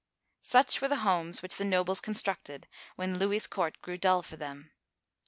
Such were the homes which the nobles constructed when Louis's court grew dull for them.